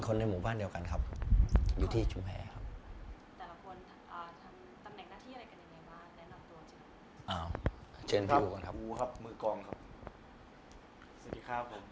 ๔คนทั้งหมดก็เป็นพี่เป็นน้องกันครับ